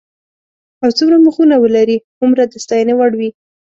او څومره مخونه ولري هومره د ستاینې وړ وي.